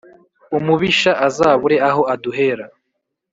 umubisha azabure aho aduhera